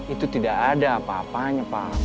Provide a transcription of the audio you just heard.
itu tidak ada apa apanya pak